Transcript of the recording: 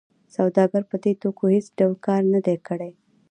سوداګر په دې توکو هېڅ ډول کار نه دی کړی